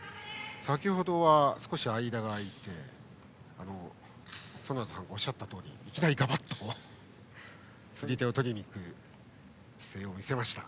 先程、少し間が空いて園田さんがおっしゃったとおりいきなりガバッと釣り手を取りにいく姿勢を見せました